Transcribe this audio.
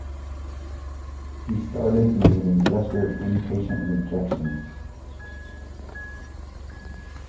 He started, and made a gesture of impatient rejection.